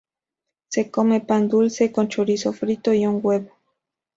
Se come pan dulce con chorizo frito y un huevo.